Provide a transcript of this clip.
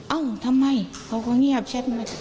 เอ้าทำไมเขาก็เงียบแชทมา